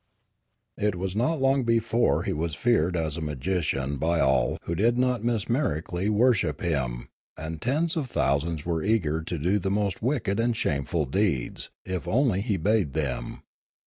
It was not long before he was feared as a magician 2i4 Limanora by all who did not mesmerically worship hiui; and tens of thousands were eager to do the most wicked and shameful deeds, if only he bade them.